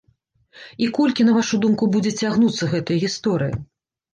І колькі, на вашу думку, будзе цягнуцца гэтая гісторыя?